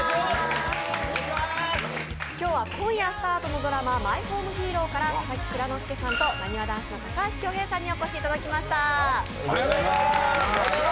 今日は今夜スタートのドラマ「マイホームヒーロー」から佐々木蔵之介さんとなにわ男子の高橋恭平さんにお越しいただきました。